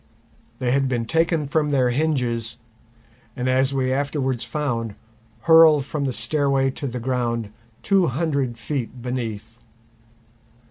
They had been taken from their hinges, and as we afterwards found, hurled from the stairway to the ground two hundred feet beneath.